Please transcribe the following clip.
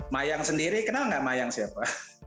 mayang sendiri kenal nggak mayang siapa